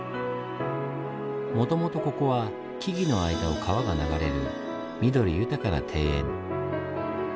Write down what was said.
もともとここは木々の間を川が流れる緑豊かな庭園。